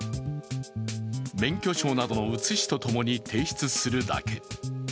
免許証などの写しとともに提出するだけ。